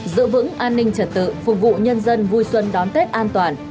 giữ vững an ninh trật tự phục vụ nhân dân vui xuân đoàn